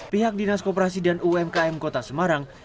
pihak dinas koperasi dan umkm kota semarang